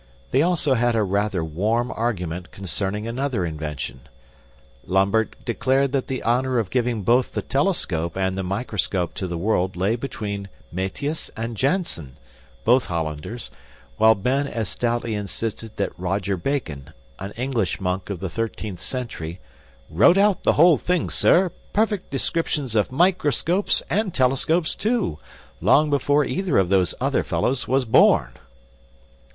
They also had a rather warm argument concerning another invention. Lambert declared that the honor of giving both the telescope and the microscope to the world lay between Metius and Jansen, both Hollanders, while Ben as stoutly insisted that Roger Bacon, an English monk of the thirteenth century, "wrote out the whole thing, sir, perfect descriptions of microscopes and telescopes, too, long before either of those other fellows was born."